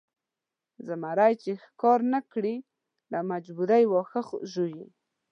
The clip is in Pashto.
زمری چې ښکار نه کړي له مجبورۍ واښه ژوي.